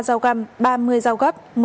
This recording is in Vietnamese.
hai mươi ba dao găm ba mươi dao gấp